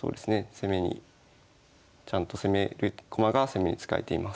攻めにちゃんと攻める駒が攻めに使えています。